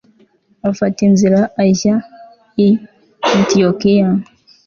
afata inzira ajya i antiyokiya